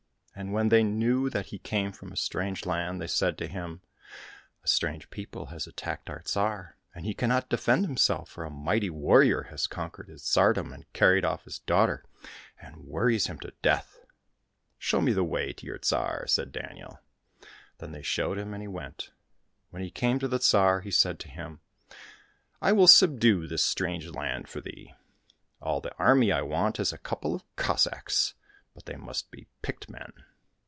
And when they knew that he came from a strange land, they said to him, " A strange people has attacked our Tsar, and he cannot defend himself, for a mighty warrior has conquered his tsardom and carried off his daughter, and worries him to death. —" Show me the way to your Tsar," said Daniel. Then they showed him, and he went. When he came to the Tsar, he said to him, " I will subdue this strange land for thee. All the army I want is a couple of Cossacks, but they must be picked men."